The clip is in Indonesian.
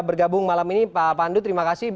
bergabung malam ini pak pandu terima kasih